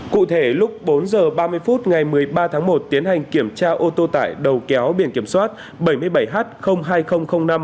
cụ thể lúc bốn h ba mươi phút ngày một mươi ba tháng một tiến hành kiểm tra ô tô tải đầu kéo biển kiểm soát bảy mươi bảy h hai nghìn năm